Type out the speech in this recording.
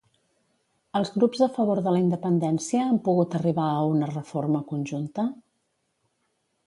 Els grups a favor de la independència han pogut arribar a una reforma conjunta?